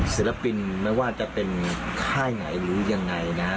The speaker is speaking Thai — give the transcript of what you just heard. ศิลปินไม่ว่าจะเป็นค่ายไหนหรือยังไงนะฮะ